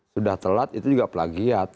sudah telat itu juga pelagiat